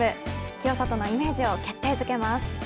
清里のイメージを決定づけます。